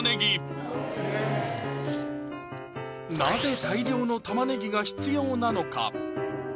なぜ大量の玉ねぎが必要なのか？